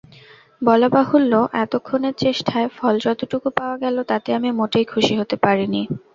বলাবাহুল্য, এতক্ষণের চেষ্টায় ফল যতটুকু পাওয়া গেল তাতে আমি মোটেই খুশি হতে পারিনি।